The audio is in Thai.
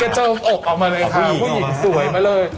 กระจมอกออกมาเลยค่ะขอบคุณผู้หญิงสวยมาเลย